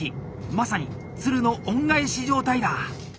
まさに鶴の恩返し状態だ。